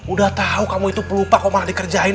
udah tahu kamu itu pelupa kok malah dikerjain